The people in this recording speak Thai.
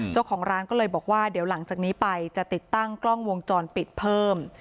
เจ้าของร้านก็เลยบอกว่าเดี๋ยวหลังจากนี้ไปจะติดตั้งกล้องวงจรปิดเพิ่ม